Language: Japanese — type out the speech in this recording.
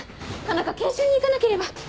田中研修に行かなければ。